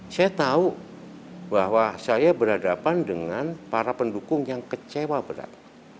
saya tahu bahwa saya berhadapan dengan para pendukung yang kecewa berat